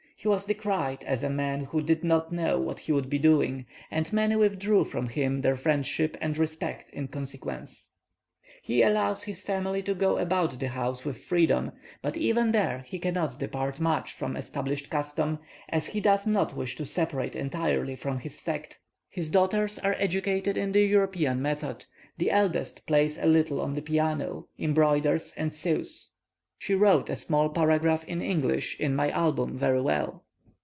He was decried as a man who did not know what he would be doing, and many withdrew from him their friendship and respect in consequence. He allows his family to go about the house with freedom; but even there he cannot depart much from established custom, as he does not wish to separate entirely from his sect. His daughters are educated in the European method; the eldest plays a little on the piano, embroiders, and sews. She wrote a small paragraph in English in my album very well.